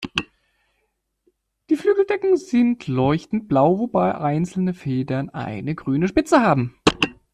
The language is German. Die Flügeldecken sind leuchtend blau, wobei einzelne Federn eine grüne Spitze haben.